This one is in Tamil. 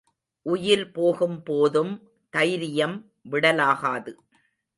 உயிர் போகும் போதும் தைரியம் விடலாகாது.